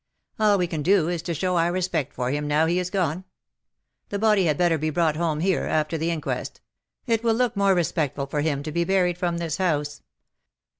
All we can do is to show our respect for him, now he is gone. The body had better be brought home here, after the inquest. It will look more respectful for him to be buried from this house.